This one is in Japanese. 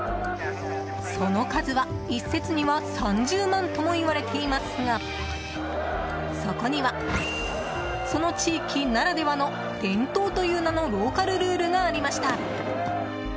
その数は、一説には３０万ともいわれていますがそこには、その地域ならではの伝統という名のローカルルールがありました。